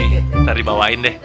nanti dibawain deh